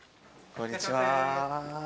こんにちは。